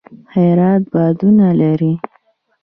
هرات بادونه لري